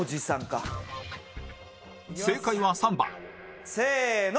正解は３番せーの！